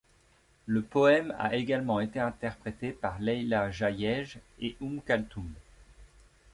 Le poème a également été interprété par Leila Hjaiej et Oum Kalthoum.